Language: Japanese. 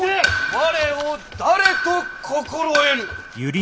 我を誰と心得る！